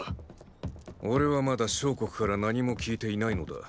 俺はまだ相国から何も聞いていないのだ。